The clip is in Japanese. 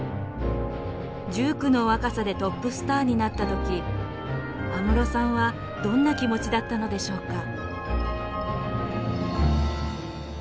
１９の若さでトップスターになった時安室さんはどんな気持ちだったのでしょうか。